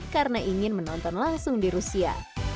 karena ingin menonton langsung di rusia